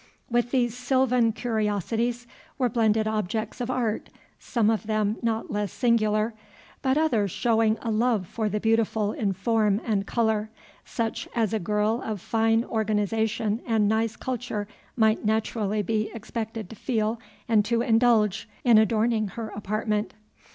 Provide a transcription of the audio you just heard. With these sylvan curiosities were blended objects of art, some of them not less singular, but others showing a love for the beautiful in form and color, such as a girl of fine organization and nice culture might naturally be expected to feel and to indulge, in adorning her apartment.